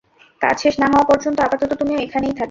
কাজ শেষ না হওয়া পর্যন্ত আপাতত তুমি এখানেই থাকবে।